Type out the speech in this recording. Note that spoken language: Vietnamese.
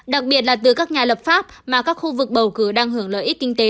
đặc biệt là từ các nhà lập pháp mà các khu vực bầu cử đang hưởng lợi ích kinh tế